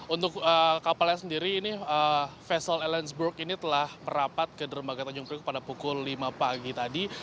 untuk kapalnya sendiri ini vessel ellensburg ini telah merapat ke dermaga tanjung priok pada pukul lima pagi tadi